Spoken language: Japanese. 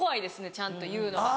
ちゃんと言うのが。